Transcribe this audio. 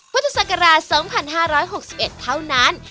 พฤศกราช๒๕๖๑เท่านั้น